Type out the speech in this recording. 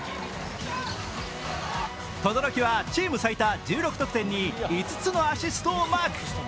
轟はチーム最多１６得点に５つのアシストをマーク。